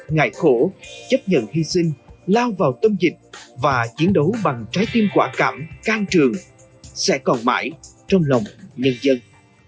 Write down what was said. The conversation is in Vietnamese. ngại khổ chấp nhận hy sinh lao vào tâm dịch và chiến đấu bằng trái tim quả cảm trường sẽ còn mãi trong lòng nhân dân